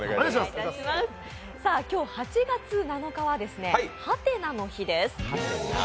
今日８月７日は「ハテナの日」です。